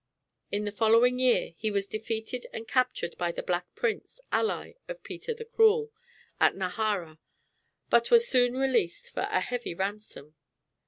In the following year he was defeated and captured by the Black Prince, ally of Peter the Cruel, at Najara, but was soon released for a heavy ransom.